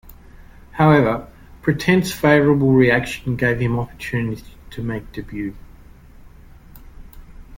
However, pretense favorable reaction gave him opportunity to make debut.